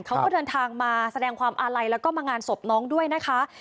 เขาก็เดินทางมาแสดงความอาลัยแล้วก็มางานศพน้องด้วยนะคะ